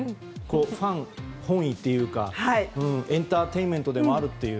ファン本位というかエンターテイメントでもあるという。